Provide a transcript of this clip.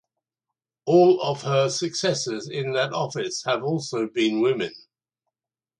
All of her successors in that office have also been women.